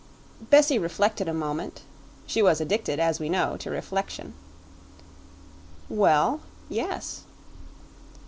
Bessie reflected a moment; she was addicted, as we know, to reflection. "Well, yes."